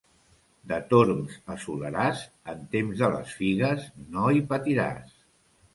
De Torms a Soleràs, en temps de les figues no hi patiràs.